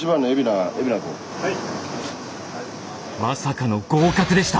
まさかの合格でした。